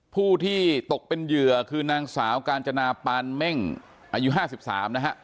ผู้ที่ตกเป็นเหยื่อคือนางสาวกาญจนาปานเม่งอายุ๕๓นะฮะ